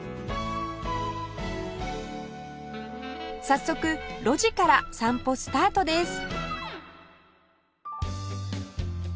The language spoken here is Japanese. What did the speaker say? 早速路地から散歩スタートです